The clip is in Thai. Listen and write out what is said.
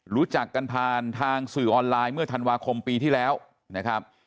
รู้จักกันผ่านทางสื่อออนไลน์เมื่อธันวาคมปีที่แล้วนะครับ